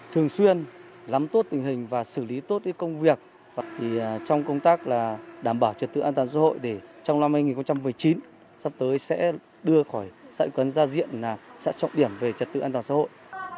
thường xuyên lắm tốt tình hình và xử lý tốt công việc trong công tác đảm bảo trật tự an toàn xã hội để trong năm hai nghìn một mươi chín sắp tới sẽ đưa khỏi xã quấn ra diện là xã trọng điểm về trật tự an toàn xã hội